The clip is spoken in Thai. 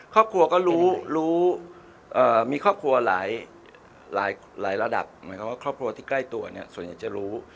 ครอบครัวก็รู้รู้มีครอบครัวหลายระดับหมายความว่าครอบครัวที่ใกล้ตัวเนี่ยส่วนใหญ่จะรู้